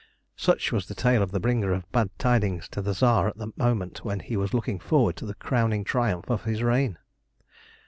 Such was the tale of the bringer of bad tidings to the Tsar at the moment when he was looking forward to the crowning triumph of his reign.